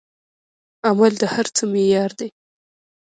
عمل د هر څه معیار دی.